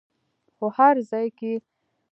خو هر ځای کې یې د وحشي غذا له لارې ژوند کاوه.